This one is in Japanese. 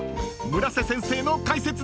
［村瀬先生の解説です］